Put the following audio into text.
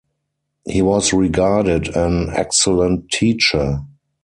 He was regarded an excellent teacher.